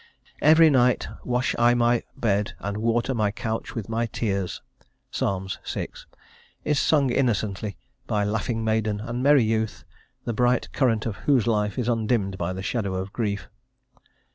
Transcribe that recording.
"Every night wash I my bed and water my couch with my tears" (Ps. vi.), is sung innocently by laughing maiden and merry youth, the bright current of whose life is undimmed by the shadow of grief.